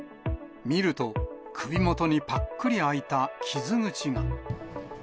見ると、首元にぱっくり開いた傷口が。